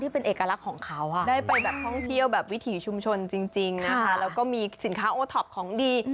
การรักของเขาได้ไปท่องเที่ยวแบบวิถีชุมชนจริงแล้วก็มีสินค้าโอท็อปของดี